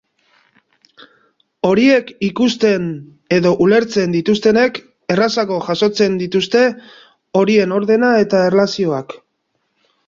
Horiek ikusten edo ulertzen dituztenek errazago jasotzen dituzte horien ordena eta erlazioak.